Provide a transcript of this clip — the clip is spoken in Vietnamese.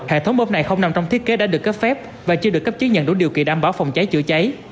hệ thống bơm này không nằm trong thiết kế đã được cấp phép và chưa được cấp chứng nhận đủ điều kiện đảm bảo phòng cháy chữa cháy